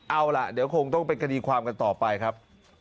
เอาล่ะเดี๋ยวคงต้องเป็นคดีความกันต่อไปครับ